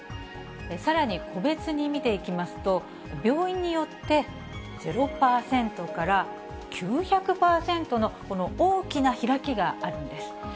さらに個別に見ていきますと、病院によって０％から９００％の大きな開きがあるんです。